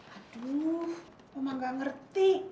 aduh oma gak ngerti